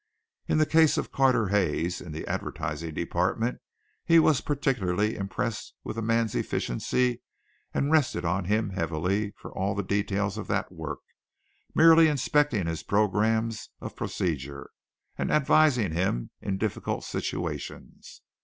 In the case of Carter Hayes, in the advertising department, he was particularly impressed with the man's efficiency, and rested on him heavily for all the details of that work, merely inspecting his programs of procedure and advising him in difficult situations.